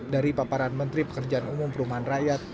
dari paparan menteri pekerjaan umum perumahan rakyat